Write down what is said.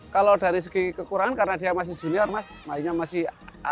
kalau dari segi kekurangan karena dia masih junior mas mainnya masih